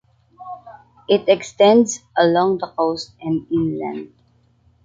It extends along the coast and inland.